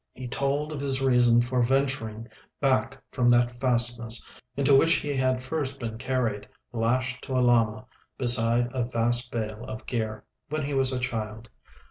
He told of his reason for venturing back from that fastness, into which he had first been carried lashed to a llama, beside a vast bale of gear, when he was a child.